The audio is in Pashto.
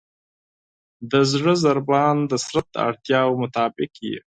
د زړه ضربان د بدن د اړتیاوو مطابق وي.